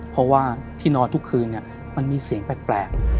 เพราะว่าที่นอนทุกคืนมันมีเสียงแปลก